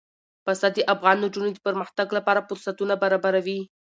پسه د افغان نجونو د پرمختګ لپاره فرصتونه برابروي.